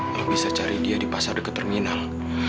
kalau bisa cari dia di pasar dekat terminal